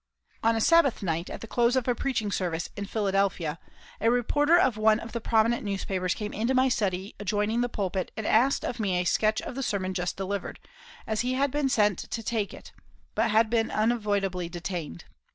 On a Sabbath night, at the close of a preaching service in Philadelphia, a reporter of one of the prominent newspapers came into my study adjoining the pulpit and asked of me a sketch of the sermon just delivered, as he had been sent to take it, but had been unavoidably detained.